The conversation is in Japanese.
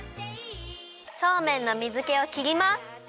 そうめんの水けをきります。